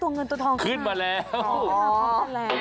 ตัวเงินตัวทองขึ้นมาแล้วขึ้นมาแล้ว